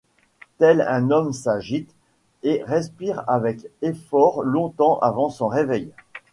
Tel un homme s’agite et respire avec effort longtemps avant son réveil.